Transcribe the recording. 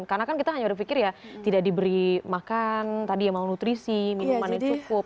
karena kan kita hanya berpikir ya tidak diberi makan tadi yang mau nutrisi minuman yang cukup